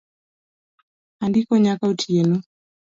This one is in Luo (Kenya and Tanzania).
Andiko nyaka otieno